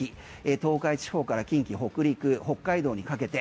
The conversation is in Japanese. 東海地方から近畿北陸、北海道にかけて。